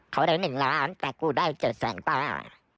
เขาได้๑ล้านแต่กูได้๗แสนป้า